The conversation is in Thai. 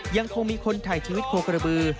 ยังคงมีคนถ่ายชีวิตโคกระบือ